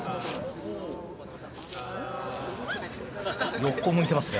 横向いてますね。